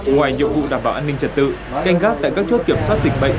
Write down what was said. ngoài nhiệm vụ đảm bảo an ninh trật tự canh gác tại các chốt kiểm soát dịch bệnh